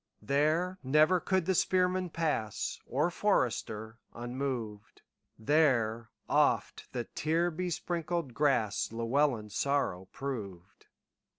There never could the spearman pass, Or forester, unmoved; There oft the tear besprinkled grassLlewelyn's sorrow proved.